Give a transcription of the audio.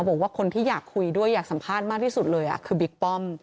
บอกว่าคนที่อยากคุยด้วยอยากสัมภาษณ์มากที่สุดเลยคือบิ๊กป้อม